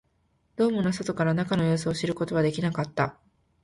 ドームの外から中の様子を知ることはできなかった